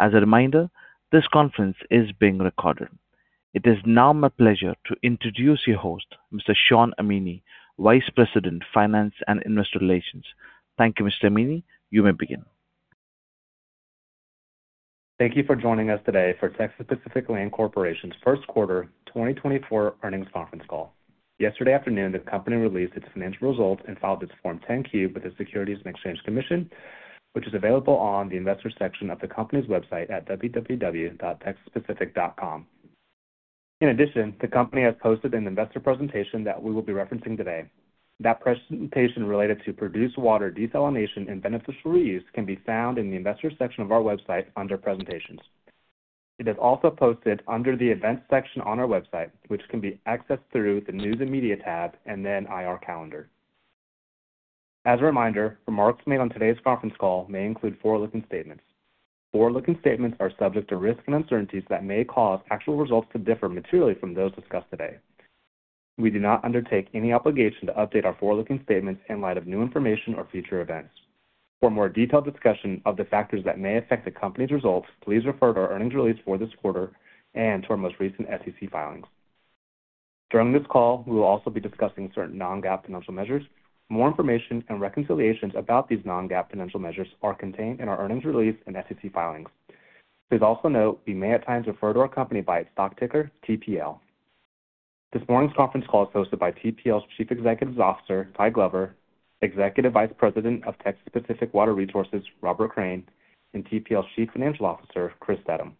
As a reminder, this conference is being recorded. It is now my pleasure to introduce your host, Mr. Shawn Amini, Vice President, Finance and Investor Relations. Thank you, Mr. Amini. You may begin. Thank you for joining us today for Texas Pacific Land Corporation's first quarter 2024 earnings conference call. Yesterday afternoon, the company released its financial results and filed its Form 10-Q with the Securities and Exchange Commission, which is available on the investor section of the company's website at www.texpacific.com. In addition, the company has posted an investor presentation that we will be referencing today. That presentation related to produced water desalination and beneficial reuse can be found in the investor section of our website under presentations. It is also posted under the events section on our website, which can be accessed through the News and Media tab and then IR Calendar. As a reminder, remarks made on today's conference call may include forward-looking statements. Forward-looking statements are subject to risks and uncertainties that may cause actual results to differ materially from those discussed today. We do not undertake any obligation to update our forward-looking statements in light of new information or future events. For a more detailed discussion of the factors that may affect the company's results, please refer to our earnings release for this quarter and to our most recent SEC filings. During this call, we will also be discussing certain non-GAAP financial measures. More information and reconciliations about these non-GAAP financial measures are contained in our earnings release and SEC filings. Please also note we may at times refer to our company by its stock ticker, TPL. This morning's conference call is hosted by TPL's Chief Executive Officer, Ty Glover, Executive Vice President of Texas Pacific Water Resources, Robert Crain, and TPL's Chief Financial Officer, Chris Steddum.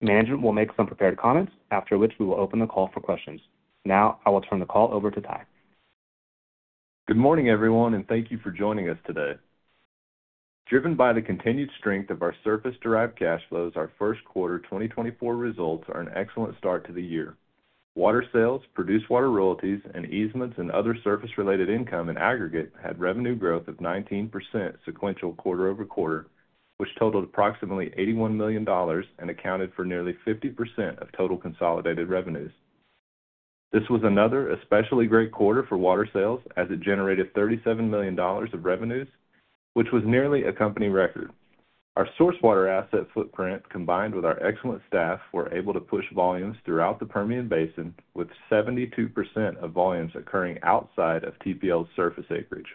Management will make some prepared comments, after which we will open the call for questions. Now, I will turn the call over to Ty. Good morning, everyone, and thank you for joining us today. Driven by the continued strength of our surface-derived cash flows, our first quarter 2024 results are an excellent start to the year. Water sales, produced water royalties, and easements and other surface-related income in aggregate had revenue growth of 19% sequential quarter-over-quarter, which totaled approximately $81 million and accounted for nearly 50% of total consolidated revenues. This was another especially great quarter for water sales, as it generated $37 million of revenues, which was nearly a company record. Our source water asset footprint, combined with our excellent staff, were able to push volumes throughout the Permian Basin, with 72% of volumes occurring outside of TPL's surface acreage.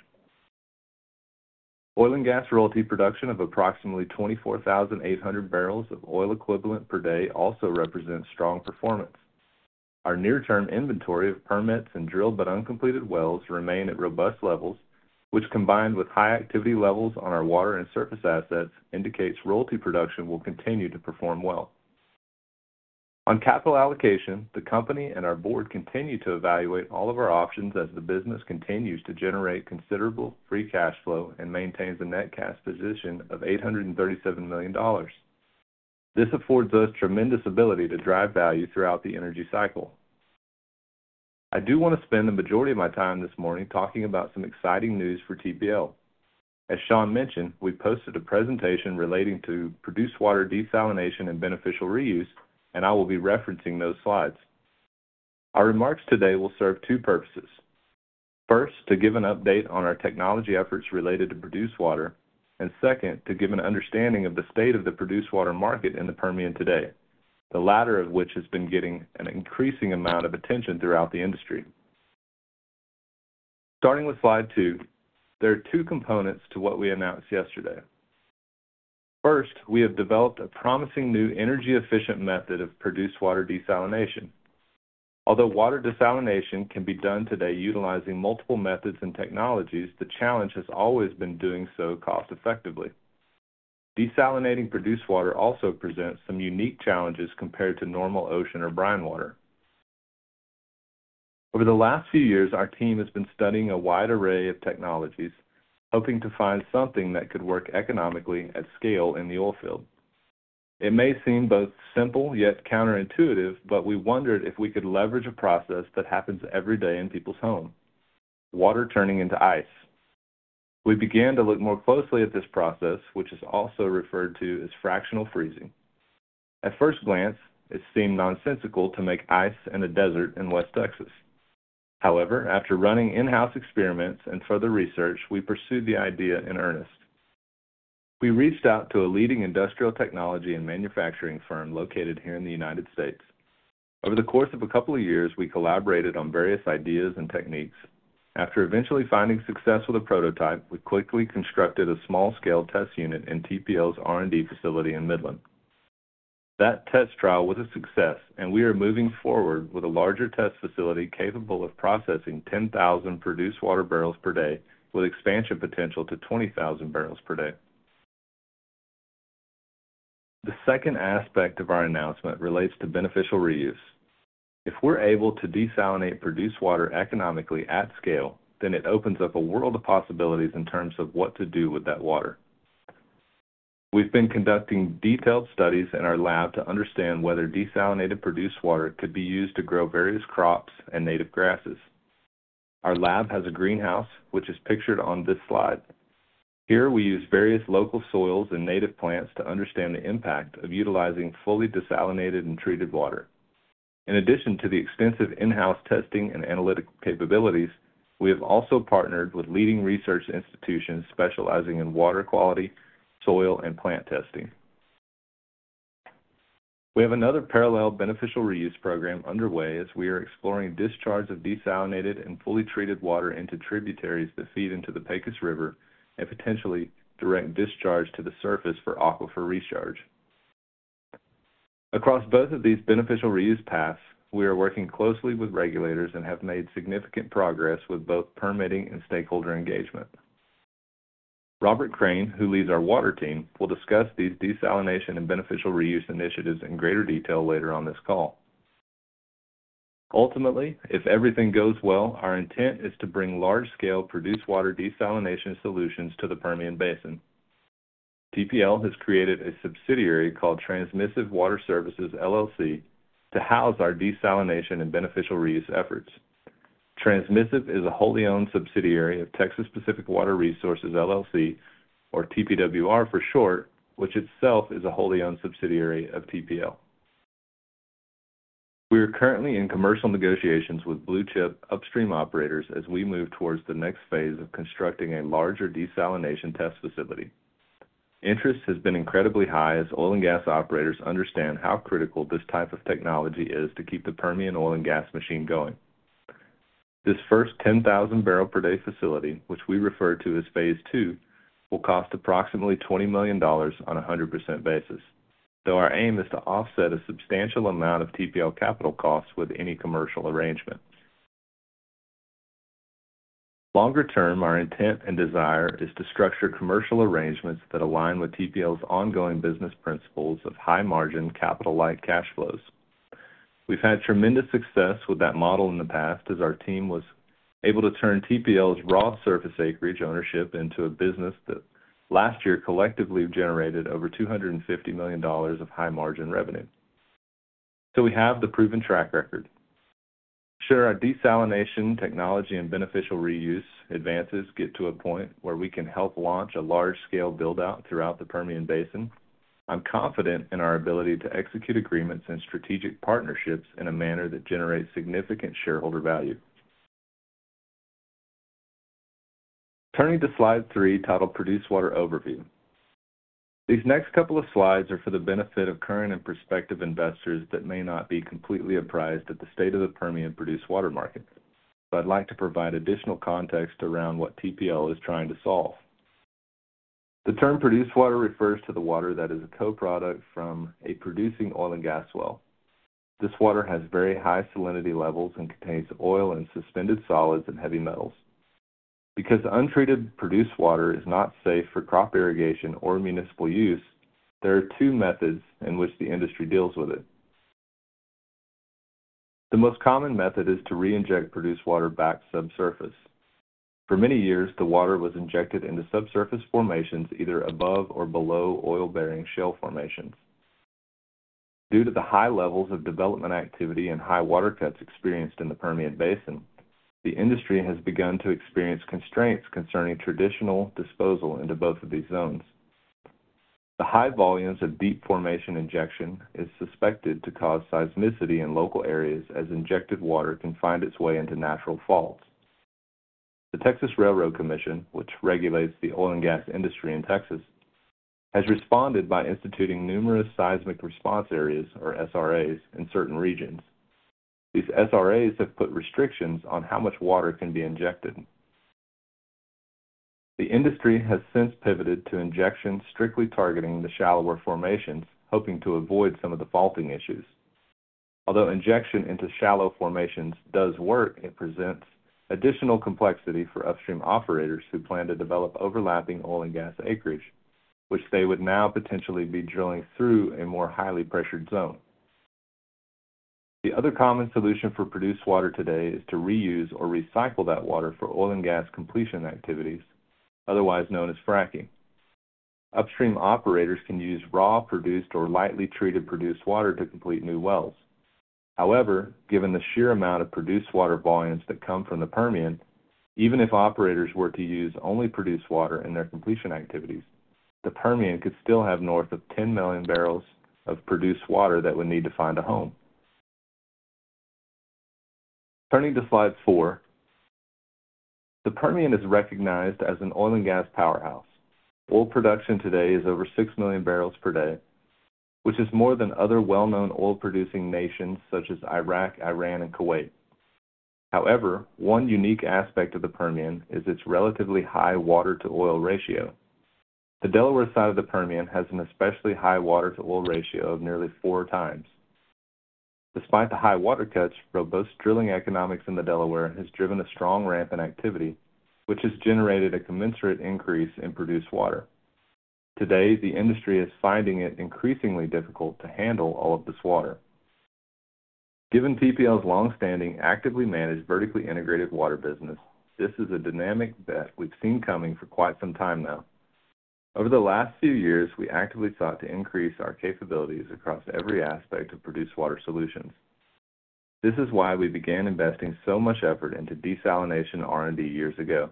Oil and gas royalty production of approximately 24,800 barrels of oil equivalent per day also represents strong performance. Our near-term inventory of permits and drilled but uncompleted wells remain at robust levels, which, combined with high activity levels on our water and surface assets, indicates royalty production will continue to perform well. On capital allocation, the company and our board continue to evaluate all of our options as the business continues to generate considerable free cash flow and maintains a net cash position of $837 million. This affords us tremendous ability to drive value throughout the energy cycle. I do want to spend the majority of my time this morning talking about some exciting news for TPL. As Shawn mentioned, we posted a presentation relating to produced water desalination and beneficial reuse, and I will be referencing those slides. Our remarks today will serve two purposes: First, to give an update on our technology efforts related to produced water, and second, to give an understanding of the state of the produced water market in the Permian today, the latter of which has been getting an increasing amount of attention throughout the industry. Starting with slide two, there are two components to what we announced yesterday. First, we have developed a promising new energy-efficient method of produced water desalination. Although water desalination can be done today utilizing multiple methods and technologies, the challenge has always been doing so cost effectively. Desalinating produced water also presents some unique challenges compared to normal ocean or brine water. Over the last few years, our team has been studying a wide array of technologies, hoping to find something that could work economically at scale in the oil field. It may seem both simple yet counterintuitive, but we wondered if we could leverage a process that happens every day in people's homes, water turning into ice. We began to look more closely at this process, which is also referred to as fractional freezing. At first glance, it seemed nonsensical to make ice in a desert in West Texas. However, after running in-house experiments and further research, we pursued the idea in earnest. We reached out to a leading industrial technology and manufacturing firm located here in the United States. Over the course of a couple of years, we collaborated on various ideas and techniques. After eventually finding success with a prototype, we quickly constructed a small-scale test unit in TPL's R&D facility in Midland. That test trial was a success, and we are moving forward with a larger test facility capable of processing 10,000 produced water barrels per day, with expansion potential to 20,000 barrels per day. The second aspect of our announcement relates to beneficial reuse. If we're able to desalinate produced water economically at scale, then it opens up a world of possibilities in terms of what to do with that water. We've been conducting detailed studies in our lab to understand whether desalinated produced water could be used to grow various crops and native grasses. Our lab has a greenhouse, which is pictured on this slide. Here, we use various local soils and native plants to understand the impact of utilizing fully desalinated and treated water.... In addition to the extensive in-house testing and analytic capabilities, we have also partnered with leading research institutions specializing in water quality, soil, and plant testing. We have another parallel beneficial reuse program underway, as we are exploring discharge of desalinated and fully treated water into tributaries that feed into the Pecos River, and potentially direct discharge to the surface for aquifer recharge. Across both of these beneficial reuse paths, we are working closely with regulators and have made significant progress with both permitting and stakeholder engagement. Robert Crain, who leads our water team, will discuss these desalination and beneficial reuse initiatives in greater detail later on this call. Ultimately, if everything goes well, our intent is to bring large-scale produced water desalination solutions to the Permian Basin. TPL has created a subsidiary called Transmissive Water Services, LLC, to house our desalination and beneficial reuse efforts. Transmissive is a wholly-owned subsidiary of Texas Pacific Water Resources, LLC, or TPWR for short, which itself is a wholly-owned subsidiary of TPL. We are currently in commercial negotiations with blue-chip upstream operators as we move towards the next phase of constructing a larger desalination test facility. Interest has been incredibly high, as oil and gas operators understand how critical this type of technology is to keep the Permian oil and gas machine going. This first 10,000 barrel per day facility, which we refer to as Phase Two, will cost approximately $20 million on a 100% basis, though our aim is to offset a substantial amount of TPL capital costs with any commercial arrangement. Longer term, our intent and desire is to structure commercial arrangements that align with TPL's ongoing business principles of high margin, capital-light cash flows. We've had tremendous success with that model in the past, as our team was able to turn TPL's raw surface acreage ownership into a business that last year collectively generated over $250 million of high margin revenue. So we have the proven track record. Sure, our desalination technology and beneficial reuse advances get to a point where we can help launch a large-scale build-out throughout the Permian Basin. I'm confident in our ability to execute agreements and strategic partnerships in a manner that generates significant shareholder value. Turning to slide 3, titled Produced Water Overview. These next couple of slides are for the benefit of current and prospective investors that may not be completely apprised at the state of the Permian produced water market, so I'd like to provide additional context around what TPL is trying to solve. The term produced water refers to the water that is a co-product from a producing oil and gas well. This water has very high salinity levels and contains oil and suspended solids and heavy metals. Because untreated produced water is not safe for crop irrigation or municipal use, there are two methods in which the industry deals with it. The most common method is to reinject produced water back subsurface. For many years, the water was injected into subsurface formations, either above or below oil-bearing shale formations. Due to the high levels of development activity and high water cuts experienced in the Permian Basin, the industry has begun to experience constraints concerning traditional disposal into both of these zones. The high volumes of deep formation injection is suspected to cause seismicity in local areas, as injected water can find its way into natural faults. The Railroad Commission of Texas, which regulates the oil and gas industry in Texas, has responded by instituting numerous seismic response areas, or SRAs, in certain regions. These SRAs have put restrictions on how much water can be injected. The industry has since pivoted to injection, strictly targeting the shallower formations, hoping to avoid some of the faulting issues. Although injection into shallow formations does work, it presents additional complexity for upstream operators who plan to develop overlapping oil and gas acreage, which they would now potentially be drilling through a more highly pressured zone. The other common solution for produced water today is to reuse or recycle that water for oil and gas completion activities, otherwise known as fracking. Upstream operators can use raw, produced, or lightly treated produced water to complete new wells. However, given the sheer amount of produced water volumes that come from the Permian, even if operators were to use only produced water in their completion activities, the Permian could still have north of 10 million barrels of produced water that would need to find a home. Turning to slide 4. The Permian is recognized as an oil and gas powerhouse. Oil production today is over 6 million barrels per day, which is more than other well-known oil-producing nations such as Iraq, Iran, and Kuwait. However, one unique aspect of the Permian is its relatively high water-to-oil ratio. The Delaware side of the Permian has an especially high water-to-oil ratio of nearly 4x. Despite the high water cuts, robust drilling economics in the Delaware has driven a strong ramp in activity, which has generated a commensurate increase in produced water. Today, the industry is finding it increasingly difficult to handle all of this water. Given TPL's long-standing, actively managed, vertically integrated water business, this is a dynamic that we've seen coming for quite some time now. Over the last few years, we actively sought to increase our capabilities across every aspect of produced water solutions. This is why we began investing so much effort into desalination R&D years ago....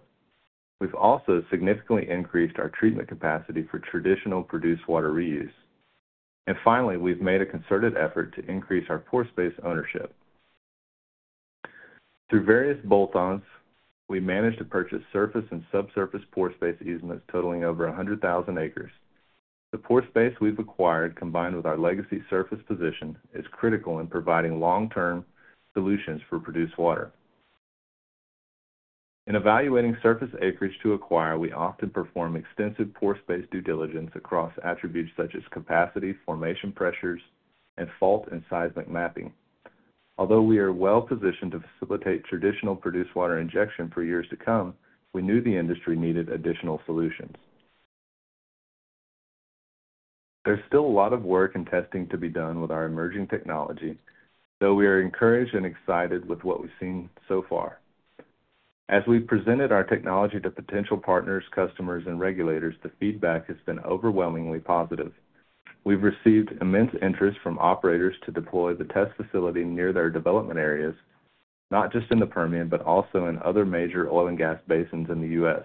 We've also significantly increased our treatment capacity for traditional produced water reuse. And finally, we've made a concerted effort to increase our pore space ownership. Through various bolt-ons, we managed to purchase surface and subsurface pore space easements totaling over 100,000 acres. The pore space we've acquired, combined with our legacy surface position, is critical in providing long-term solutions for produced water. In evaluating surface acreage to acquire, we often perform extensive pore space due diligence across attributes such as capacity, formation pressures, and fault and seismic mapping. Although we are well positioned to facilitate traditional produced water injection for years to come, we knew the industry needed additional solutions. There's still a lot of work and testing to be done with our emerging technology, though we are encouraged and excited with what we've seen so far. As we've presented our technology to potential partners, customers, and regulators, the feedback has been overwhelmingly positive. We've received immense interest from operators to deploy the test facility near their development areas, not just in the Permian, but also in other major oil and gas basins in the U.S.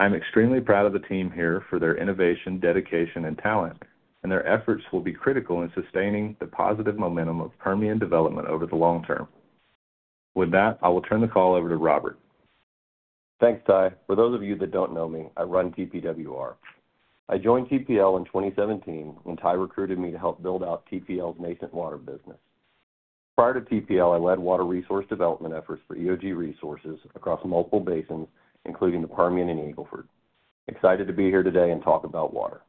I'm extremely proud of the team here for their innovation, dedication, and talent, and their efforts will be critical in sustaining the positive momentum of Permian development over the long term. With that, I will turn the call over to Robert. Thanks, Ty. For those of you that don't know me, I run TPWR. I joined TPL in 2017 when Ty recruited me to help build out TPL's nascent water business. Prior to TPL, I led water resource development efforts for EOG Resources across multiple basins, including the Permian and Eagle Ford. Excited to be here today and talk about water.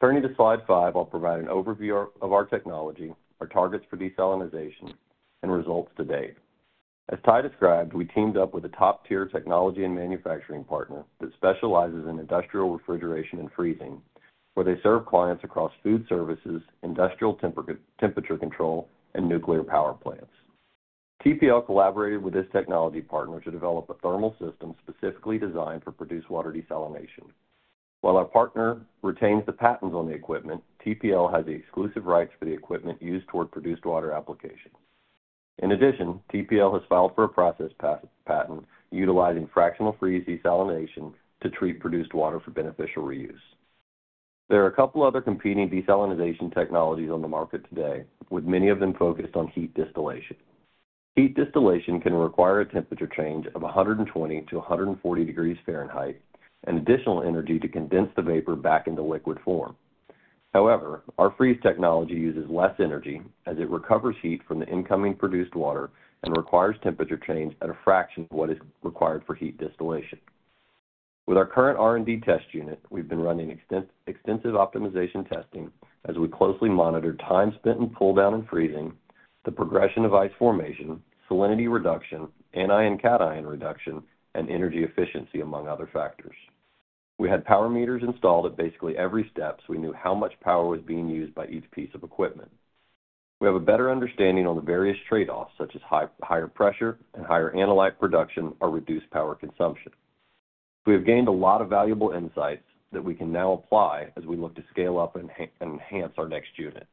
Turning to slide 5, I'll provide an overview of our technology, our targets for desalination, and results to date. As Ty described, we teamed up with a top-tier technology and manufacturing partner that specializes in industrial refrigeration and freezing, where they serve clients across food services, industrial temperature control, and nuclear power plants. TPL collaborated with this technology partner to develop a thermal system specifically designed for produced water desalination. While our partner retains the patents on the equipment, TPL has the exclusive rights for the equipment used toward produced water applications. In addition, TPL has filed for a process patent utilizing fractional freezing desalination to treat produced water for beneficial reuse. There are a couple other competing desalination technologies on the market today, with many of them focused on heat distillation. Heat distillation can require a temperature change of 120-140 degrees Fahrenheit, and additional energy to condense the vapor back into liquid form. However, our freeze technology uses less energy as it recovers heat from the incoming produced water and requires temperature change at a fraction of what is required for heat distillation. With our current R&D test unit, we've been running extensive optimization testing as we closely monitor time spent in pull down and freezing, the progression of ice formation, salinity reduction, anion, cation reduction, and energy efficiency, among other factors. We had power meters installed at basically every step, so we knew how much power was being used by each piece of equipment. We have a better understanding on the various trade-offs, such as higher pressure and higher analyte production or reduced power consumption. We have gained a lot of valuable insights that we can now apply as we look to scale up and enhance our next unit.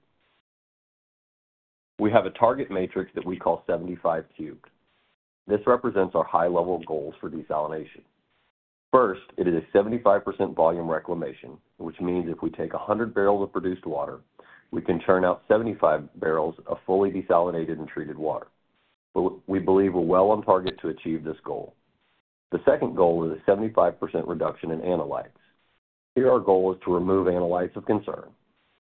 We have a target matrix that we call 75 cubed. This represents our high-level goals for desalination. First, it is a 75% volume reclamation, which means if we take 100 barrels of produced water, we can churn out 75 barrels of fully desalinated and treated water. We, we believe we're well on target to achieve this goal. The second goal is a 75% reduction in analytes. Here, our goal is to remove analytes of concern.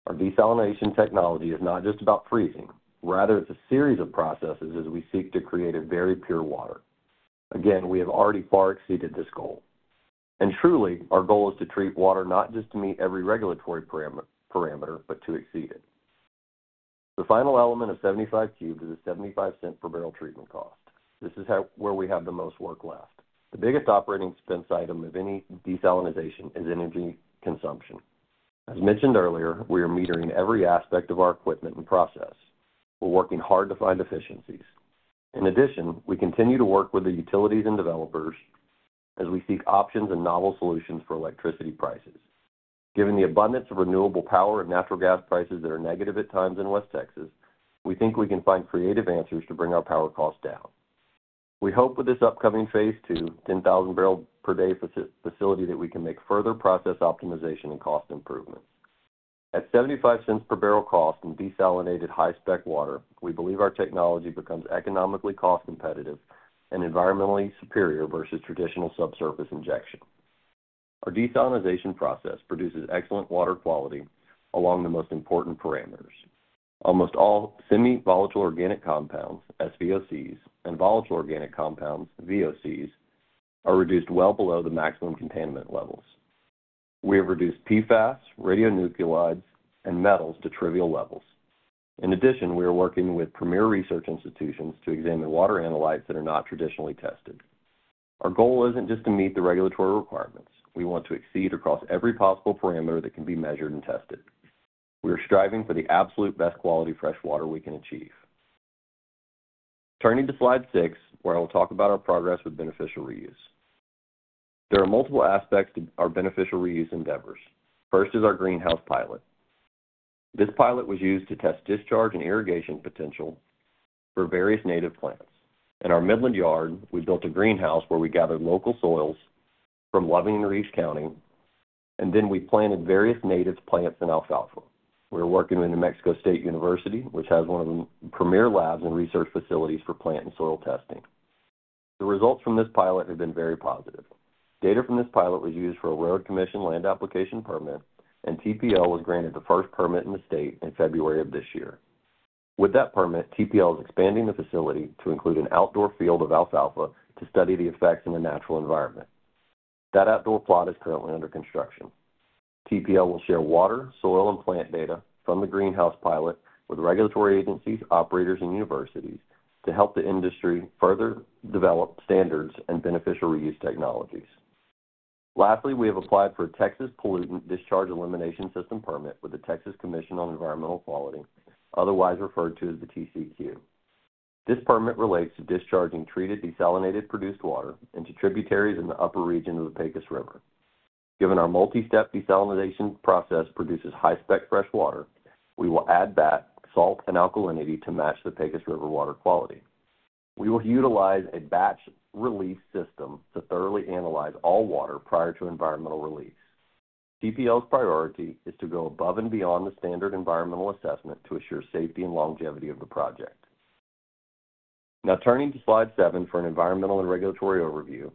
Our desalination technology is not just about freezing, rather, it's a series of processes as we seek to create a very pure water. Again, we have already far exceeded this goal, and truly, our goal is to treat water not just to meet every regulatory parameter, parameter, but to exceed it. The final element of 75 cubed is a $0.75 per barrel treatment cost. This is how, where we have the most work left. The biggest operating expense item of any desalination is energy consumption. As mentioned earlier, we are metering every aspect of our equipment and process. We're working hard to find efficiencies. In addition, we continue to work with the utilities and developers as we seek options and novel solutions for electricity prices. Given the abundance of renewable power and natural gas prices that are negative at times in West Texas, we think we can find creative answers to bring our power costs down. We hope with this upcoming phase two, 10,000 barrel per day facility, that we can make further process optimization and cost improvements. At $0.75 per barrel cost in desalinated, high-spec water, we believe our technology becomes economically cost competitive and environmentally superior versus traditional subsurface injection. Our desalination process produces excellent water quality along the most important parameters. Almost all semi-volatile organic compounds, SVOCs, and volatile organic compounds, VOCs, are reduced well below the maximum contaminant levels. We have reduced PFAS, radionuclides, and metals to trivial levels. In addition, we are working with premier research institutions to examine water analytes that are not traditionally tested. Our goal isn't just to meet the regulatory requirements. We want to exceed across every possible parameter that can be measured and tested. We are striving for the absolute best quality fresh water we can achieve. Turning to slide 6, where I will talk about our progress with beneficial reuse. There are multiple aspects to our beneficial reuse endeavors. First is our greenhouse pilot. This pilot was used to test discharge and irrigation potential for various native plants. In our Midland yard, we built a greenhouse where we gathered local soils from Loving and Reeves County, and then we planted various native plants and alfalfa. We're working with New Mexico State University, which has one of the premier labs and research facilities for plant and soil testing. The results from this pilot have been very positive. Data from this pilot was used for a Railroad Commission land application permit, and TPL was granted the first permit in the state in February of this year. With that permit, TPL is expanding the facility to include an outdoor field of alfalfa to study the effects in the natural environment. That outdoor plot is currently under construction. TPL will share water, soil, and plant data from the greenhouse pilot with regulatory agencies, operators, and universities to help the industry further develop standards and beneficial reuse technologies. Lastly, we have applied for a Texas Pollutant Discharge Elimination System permit with the Texas Commission on Environmental Quality, otherwise referred to as the TCEQ. This permit relates to discharging treated desalinated produced water into tributaries in the upper region of the Pecos River. Given our multi-step desalination process produces high-spec fresh water, we will add back salt and alkalinity to match the Pecos River water quality. We will utilize a batch release system to thoroughly analyze all water prior to environmental release. TPL's priority is to go above and beyond the standard environmental assessment to assure safety and longevity of the project. Now turning to slide seven for an environmental and regulatory overview.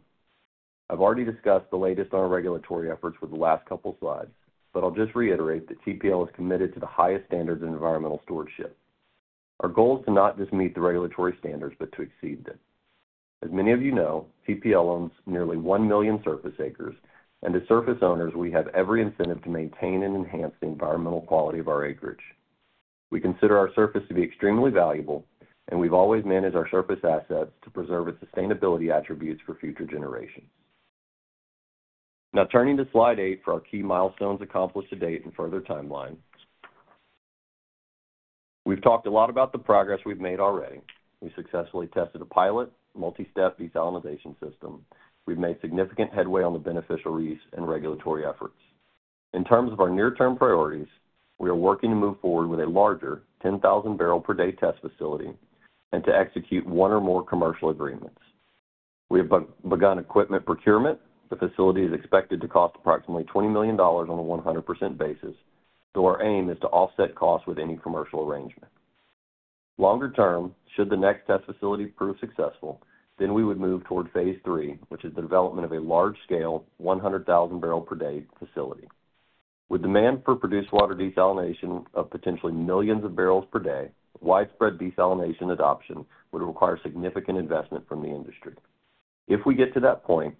I've already discussed the latest on our regulatory efforts for the last couple of slides, but I'll just reiterate that TPL is committed to the highest standards in environmental stewardship. Our goal is to not just meet the regulatory standards, but to exceed them. As many of you know, TPL owns nearly 1 million surface acres, and as surface owners, we have every incentive to maintain and enhance the environmental quality of our acreage. We consider our surface to be extremely valuable, and we've always managed our surface assets to preserve its sustainability attributes for future generations. Now, turning to slide 8 for our key milestones accomplished to date and further timeline. We've talked a lot about the progress we've made already. We successfully tested a pilot multi-step desalination system. We've made significant headway on the beneficial reuse and regulatory efforts. In terms of our near-term priorities, we are working to move forward with a larger 10,000 barrel per day test facility and to execute one or more commercial agreements. We have begun equipment procurement. The facility is expected to cost approximately $20 million on a 100% basis, so our aim is to offset costs with any commercial arrangement. Longer term, should the next test facility prove successful, then we would move toward Phase Three, which is the development of a large-scale, 100,000 barrel per day facility. With demand for Produced Water desalination of potentially millions of barrels per day, widespread desalination adoption would require significant investment from the industry. If we get to that point,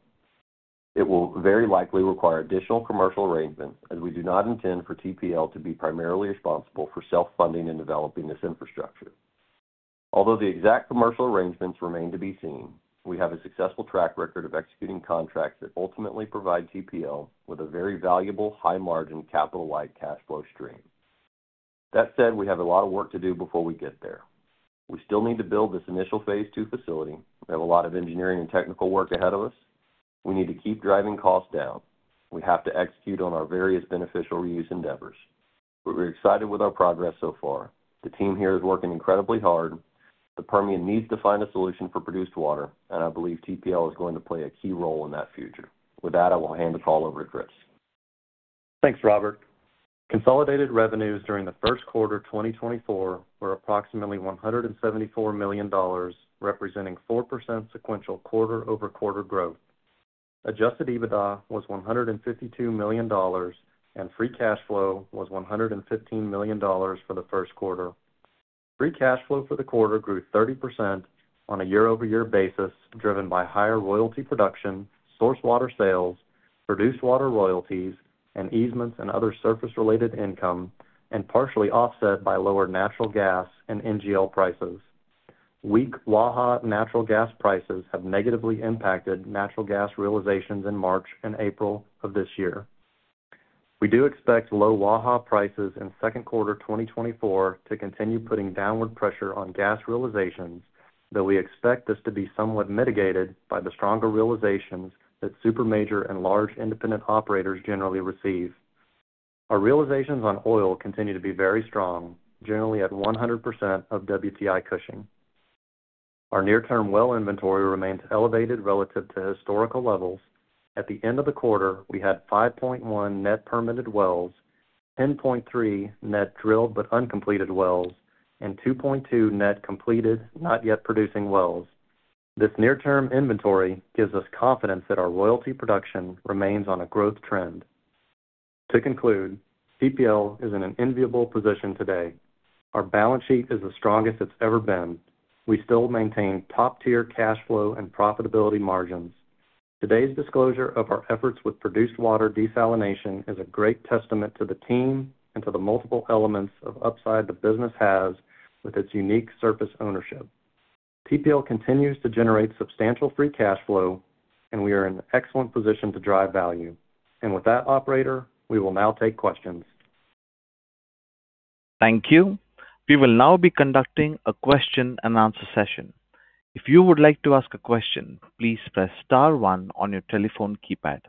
it will very likely require additional commercial arrangements, as we do not intend for TPL to be primarily responsible for self-funding and developing this infrastructure. Although the exact commercial arrangements remain to be seen, we have a successful track record of executing contracts that ultimately provide TPL with a very valuable, high-margin, capital-light cash flow stream. That said, we have a lot of work to do before we get there. We still need to build this initial phase two facility. We have a lot of engineering and technical work ahead of us. We need to keep driving costs down. We have to execute on our various beneficial reuse endeavors. But we're excited with our progress so far. The team here is working incredibly hard. The Permian needs to find a solution for produced water, and I believe TPL is going to play a key role in that future. With that, I will hand the call over to Chris. Thanks, Robert. Consolidated revenues during the first quarter 2024 were approximately $174 million, representing 4% sequential quarter-over-quarter growth. Adjusted EBITDA was $152 million, and free cash flow was $115 million for the first quarter. Free cash flow for the quarter grew 30% on a year-over-year basis, driven by higher royalty production, source water sales, produced water royalties, and easements and other surface-related income, and partially offset by lower natural gas and NGL prices. Weak Waha natural gas prices have negatively impacted natural gas realizations in March and April of this year. We do expect low Waha prices in second quarter 2024 to continue putting downward pressure on gas realizations, though we expect this to be somewhat mitigated by the stronger realizations that super major and large independent operators generally receive. Our realizations on oil continue to be very strong, generally at 100% of WTI Cushing. Our near-term well inventory remains elevated relative to historical levels. At the end of the quarter, we had 5.1 net permitted wells, 10.3 net drilled but uncompleted wells, and 2.2 net completed, not yet producing wells. This near-term inventory gives us confidence that our royalty production remains on a growth trend. To conclude, TPL is in an enviable position today. Our balance sheet is the strongest it's ever been. We still maintain top-tier cash flow and profitability margins. Today's disclosure of our efforts with produced water desalination is a great testament to the team and to the multiple elements of upside the business has with its unique surface ownership. TPL continues to generate substantial free cash flow, and we are in an excellent position to drive value. And with that, operator, we will now take questions. Thank you. We will now be conducting a question-and-answer session. ... If you would like to ask a question, please press star one on your telephone keypad.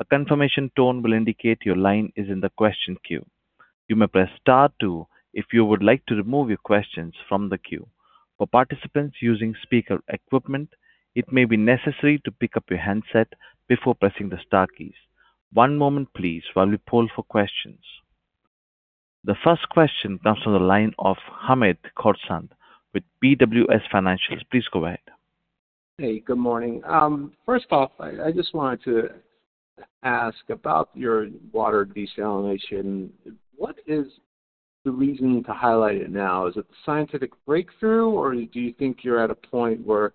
A confirmation tone will indicate your line is in the question queue. You may press star two if you would like to remove your questions from the queue. For participants using speaker equipment, it may be necessary to pick up your handset before pressing the star keys. One moment please, while we poll for questions. The first question comes from the line of Hamed Khorsand with BWS Financial. Please go ahead. Hey, good morning. First off, I just wanted to ask about your water desalination. What is the reason to highlight it now? Is it the scientific breakthrough, or do you think you're at a point where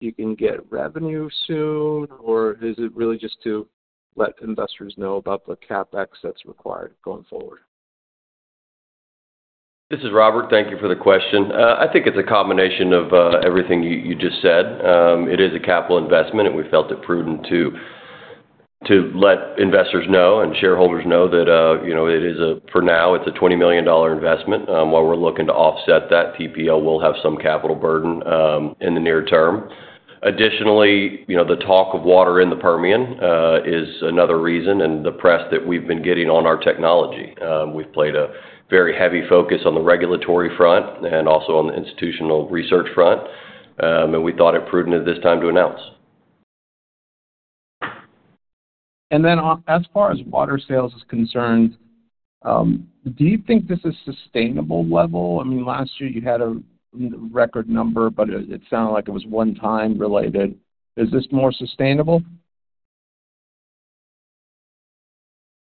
you can get revenue soon? Or is it really just to let investors know about the CapEx that's required going forward? This is Robert. Thank you for the question. I think it's a combination of everything you just said. It is a capital investment, and we felt it prudent to let investors know and shareholders know that, you know, it is a—for now, it's a $20 million investment. While we're looking to offset that, TPL will have some capital burden in the near term. Additionally, you know, the talk of water in the Permian is another reason, and the press that we've been getting on our technology. We've played a very heavy focus on the regulatory front and also on the institutional research front. And we thought it prudent at this time to announce. Then on... As far as water sales is concerned, do you think this is sustainable level? I mean, last year you had a record number, but it, it sounded like it was one time related. Is this more sustainable?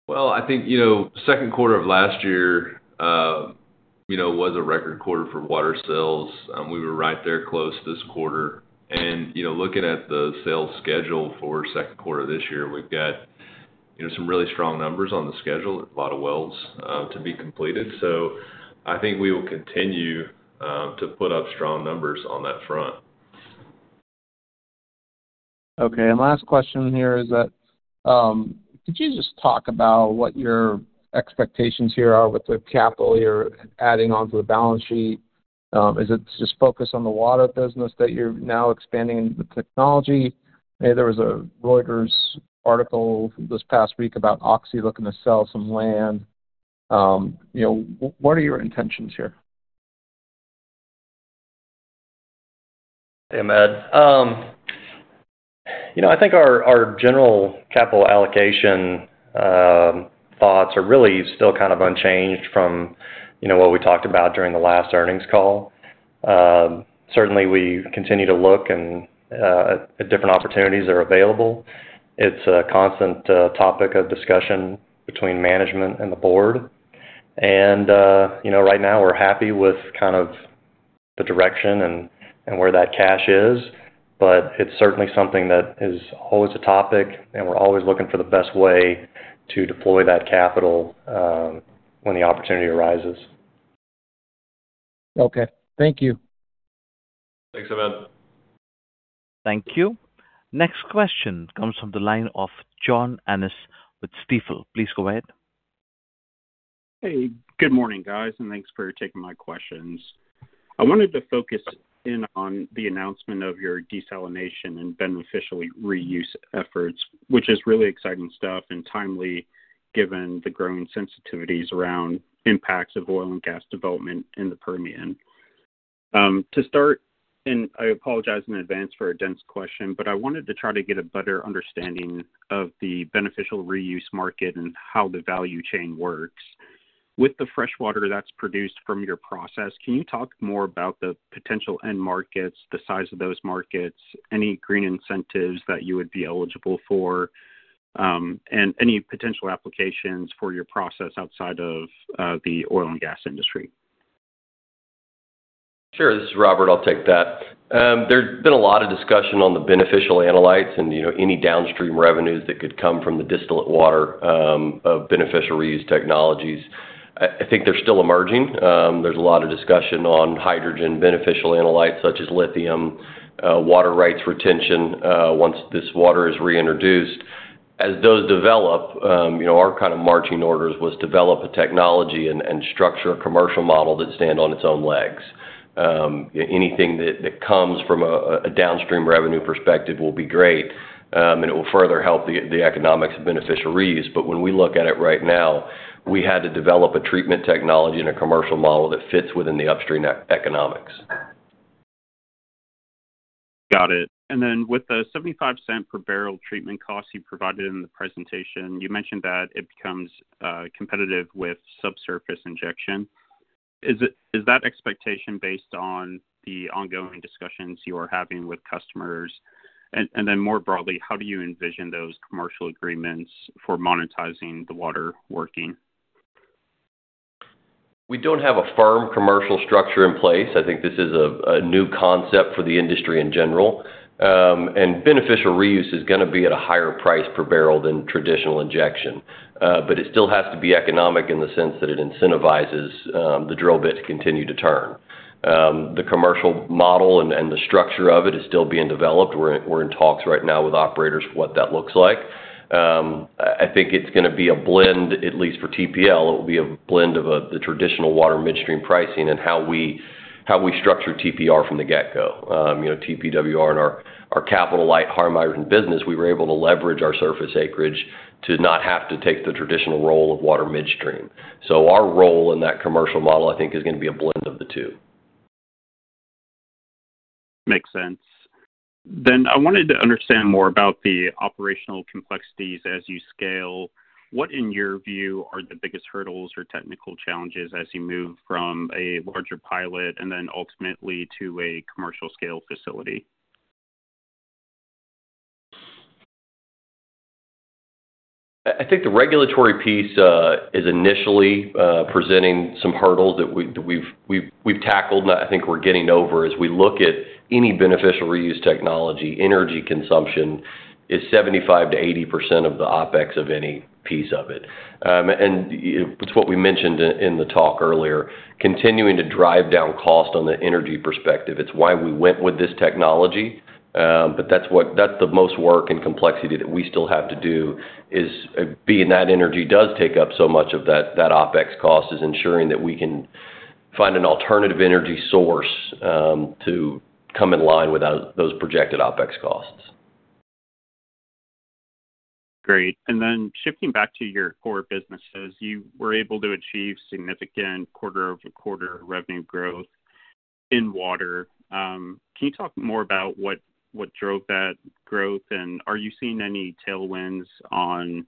Well, I think, you know, second quarter of last year was a record quarter for water sales. We were right there close this quarter. You know, looking at the sales schedule for second quarter this year, we've got, you know, some really strong numbers on the schedule, a lot of wells to be completed. So I think we will continue to put up strong numbers on that front. Okay, and last question here is that, could you just talk about what your expectations here are with the capital you're adding onto the balance sheet? Is it just focused on the water business that you're now expanding the technology? I know there was a Reuters article this past week about Oxy looking to sell some land. You know, what are your intentions here? Hey, Hamed. You know, I think our general capital allocation thoughts are really still kind of unchanged from what we talked about during the last earnings call. Certainly we continue to look at different opportunities that are available. It's a constant topic of discussion between management and the board. You know, right now we're happy with kind of the direction and where that cash is, but it's certainly something that is always a topic, and we're always looking for the best way to deploy that capital when the opportunity arises. Okay. Thank you. Thanks, Hamed. Thank you. Next question comes from the line of John Annis with Stifel. Please go ahead. Hey, good morning, guys, and thanks for taking my questions. I wanted to focus in on the announcement of your desalination and beneficial reuse efforts, which is really exciting stuff and timely, given the growing sensitivities around impacts of oil and gas development in the Permian. To start, and I apologize in advance for a dense question, but I wanted to try to get a better understanding of the beneficial reuse market and how the value chain works. With the fresh water that's produced from your process, can you talk more about the potential end markets, the size of those markets, any green incentives that you would be eligible for, and any potential applications for your process outside of the oil and gas industry? Sure. This is Robert. I'll take that. There's been a lot of discussion on the beneficial analytes and, you know, any downstream revenues that could come from the distillate water of beneficial reuse technologies. I think they're still emerging. There's a lot of discussion on hydrogen, beneficial analytes such as lithium, water rights retention once this water is reintroduced. As those develop, you know, our kind of marching orders was develop a technology and structure a commercial model that stand on its own legs. Anything that comes from a downstream revenue perspective will be great, and it will further help the economics of beneficial reuse. But when we look at it right now, we had to develop a treatment technology and a commercial model that fits within the upstream economics. Got it. And then with the $0.75 per barrel treatment cost you provided in the presentation, you mentioned that it becomes competitive with subsurface injection. Is that expectation based on the ongoing discussions you are having with customers? And then more broadly, how do you envision those commercial agreements for monetizing the water working? We don't have a firm commercial structure in place. I think this is a new concept for the industry in general. And beneficial reuse is gonna be at a higher price per barrel than traditional injection, but it still has to be economic in the sense that it incentivizes the drill bit to continue to turn. The commercial model and the structure of it is still being developed. We're in talks right now with operators for what that looks like. I think it's gonna be a blend, at least for TPL, it will be a blend of the traditional water midstream pricing and how we structured TPWR from the get-go. You know, TPWR and our capital light Permian business, we were able to leverage our surface acreage to not have to take the traditional role of water midstream. So our role in that commercial model, I think, is gonna be a blend of the two. Makes sense. I wanted to understand more about the operational complexities as you scale. What, in your view, are the biggest hurdles or technical challenges as you move from a larger pilot and then ultimately to a commercial scale facility? I think the regulatory piece is initially presenting some hurdles that we tackled, and I think we're getting over. As we look at any beneficial reuse technology, energy consumption is 75%-80% of the OpEx of any piece of it. And it's what we mentioned in the talk earlier, continuing to drive down cost on the energy perspective. It's why we went with this technology, but that's what-- that's the most work and complexity that we still have to do, is being that energy does take up so much of that OpEx cost, is ensuring that we can find an alternative energy source to come in line with those projected OpEx costs. Great. And then shifting back to your core businesses, you were able to achieve significant quarter-over-quarter revenue growth in water. Can you talk more about what, what drove that growth? And are you seeing any tailwinds on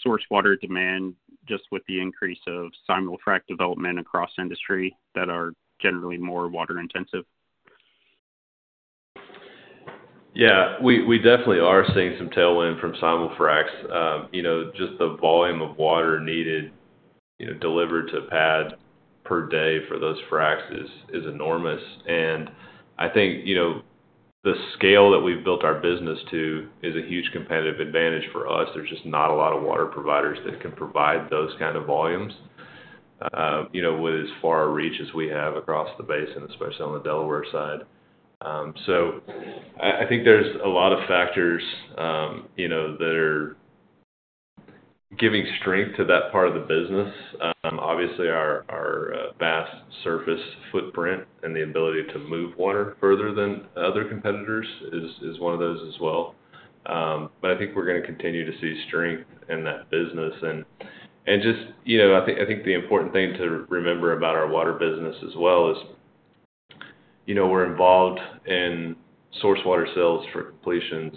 source water demand, just with the increase of simulfrac development across industry that are generally more water intensive? Yeah, we definitely are seeing some tailwind from simulfracs. You know, just the volume of water needed, you know, delivered to pad per day for those fracs is enormous. And I think, you know, the scale that we've built our business to is a huge competitive advantage for us. There's just not a lot of water providers that can provide those kind of volumes, you know, with as far a reach as we have across the basin, especially on the Delaware side. So I think there's a lot of factors, you know, that are giving strength to that part of the business. Obviously, our vast surface footprint and the ability to move water further than other competitors is one of those as well. But I think we're gonna continue to see strength in that business. Just, you know, I think the important thing to remember about our water business as well is, you know, we're involved in source water sales for completions.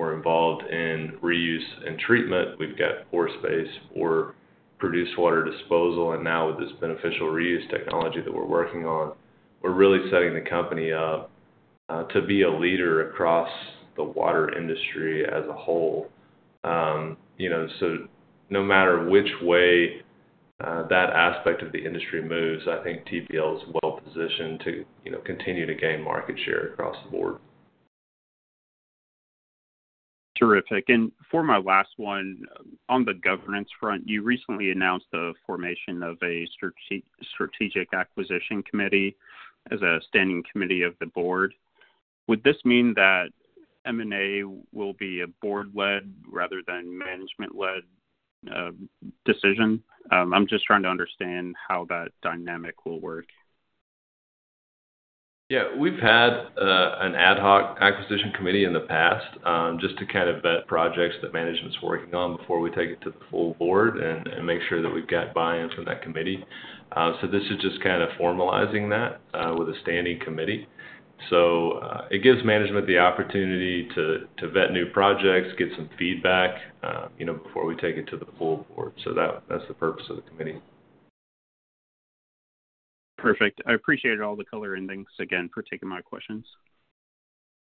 We're involved in reuse and treatment. We've got pore space or produced water disposal, and now with this beneficial reuse technology that we're working on, we're really setting the company up to be a leader across the water industry as a whole. You know, so no matter which way that aspect of the industry moves, I think TPL is well positioned to, you know, continue to gain market share across the board. Terrific. And for my last one, on the governance front, you recently announced the formation of a strategic acquisition committee as a standing committee of the board. Would this mean that M&A will be a board-led rather than management-led decision? I'm just trying to understand how that dynamic will work. Yeah. We've had an ad hoc acquisition committee in the past, just to kind of vet projects that management's working on before we take it to the full board and make sure that we've got buy-in from that committee. So this is just kind of formalizing that, with a standing committee. So it gives management the opportunity to vet new projects, get some feedback, you know, before we take it to the full board. So that's the purpose of the committee. Perfect. I appreciate all the color, and thanks again for taking my questions.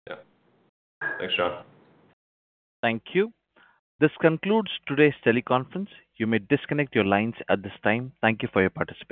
Yeah. Thanks, John. Thank you. This concludes today's teleconference. You may disconnect your lines at this time. Thank you for your participation.